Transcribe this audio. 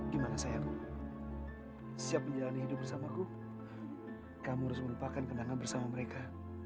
gimana sayang siap menjalani hidup bersamaku kamu harus melupakan kenangan bersama mereka